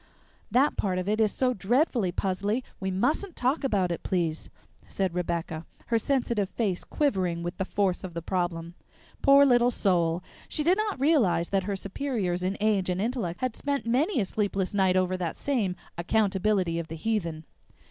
"That part of it is so dreadfully puzzly we mustn't talk about it, please," said Rebecca, her sensitive face quivering with the force of the problem. Poor little soul! She did not realize that her superiors in age and intellect had spent many a sleepless night over that same "accountability of the heathen."